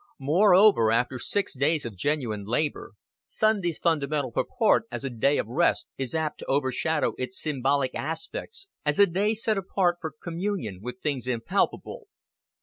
Moreover, after six days of genuine labor, Sunday's fundamental purport as a day of rest is apt to overshadow its symbolic aspects as a day set apart for communion with things impalpable.